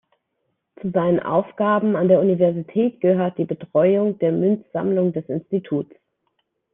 Zu seinen Aufgaben an der Universität gehört die Betreuung der Münzsammlung des Instituts.